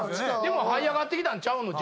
はい上がってきたんちゃうの？